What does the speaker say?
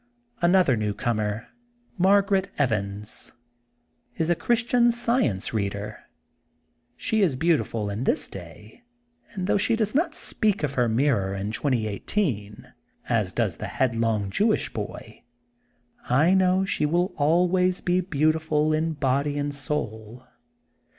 Another newcomer, Margaret Evans, is a THE GOLDEN BOOK OF SPRINGFIELD 17 Christian Science Reader. She is beautiful, in this day, and though she does not speak of her mirror in 2018, as does the headlong Jew ish boy, I know she will always be beautiful in body and soul.